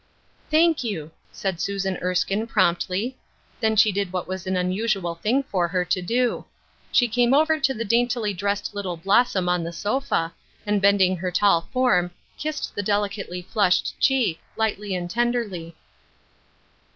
" Thank you," said Susan Erskine, promptly. Then she did what was an unusual thing for her to do. She came over to the daintily dressed little blossom on the sofa, and bending her tall form, kissed the delicately flushed cheek, lightly and tenderly.